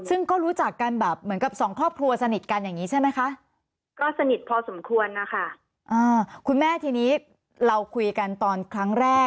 ซึ่งก็รู้จักกันแบบเหมือนกับสองครอบครัวสนิทกันอย่างนี้ใช่ไหมคะ